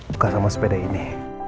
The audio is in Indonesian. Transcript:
buka sama sepeda ini